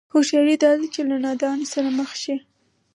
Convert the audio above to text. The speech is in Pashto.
هوښياري دا ده چې له نادانه سره مخ شي.